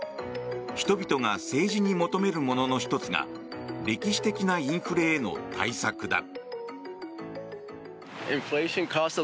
人々が政治に求めるものの一つが歴史的なインフレへの対策だ。